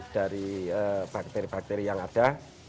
dari bakteri bakteri yang ada